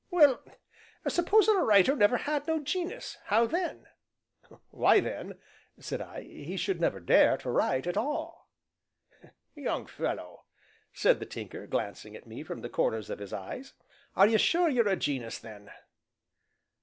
"Well, supposing a writer never had no gen'us how then?" "Why then," said I, "he should never dare to write at all." "Young fellow," said the Tinker, glancing at me from the corners of his eyes, "are you sure you are a gen'us then?"